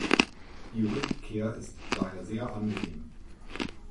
Die Rückkehr ist daher sehr angenehm.